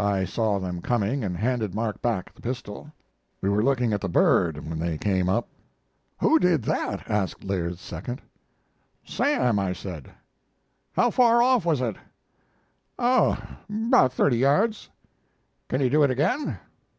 I saw them coming and handed Mark back the pistol. We were looking at the bird when they came up. "Who did that?" asked Laird's second. "Sam," I said. "How far off was it?" "Oh, about thirty yards." "Can he do it again?"